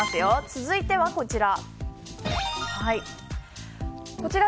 続いてはこちら。